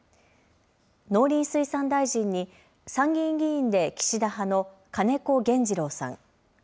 農林水産大臣に参議院議員で岸田派の金子原二郎さん。